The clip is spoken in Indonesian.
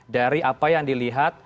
dari apa yang dilihat